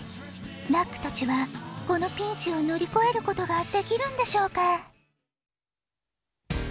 ラックたちはこのピンチをのりこえることができるんでしょうか？